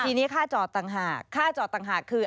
ทีนี้ค่าจอดต่างหากค่าจอดต่างหากคือ